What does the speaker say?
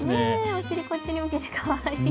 お尻、こっちに向けてかわいい。